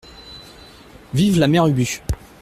Vive la mère Ubu.